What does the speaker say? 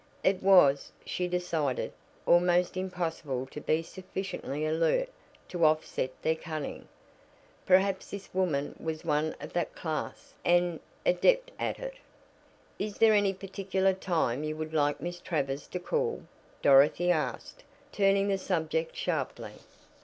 It was, she decided, almost impossible to be sufficiently alert to offset their cunning. Perhaps this woman was one of that class an adept at it. "Is there any particular time you would like Miss Travers to call?" Dorothy asked, turning the subject sharply.